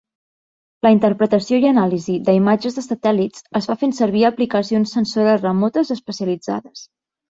La interpretació i anàlisi de imatges de satèl·lits es fa fent servir aplicacions sensores remotes especialitzades.